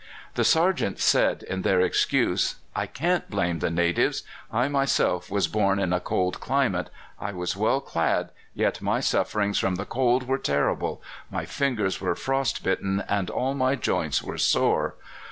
The sergeant said in their excuse: "I can't blame the natives. I myself was born in a cold climate. I was well clad, yet my sufferings from the cold were terrible: my fingers were frost bitten, and all my joints were sore.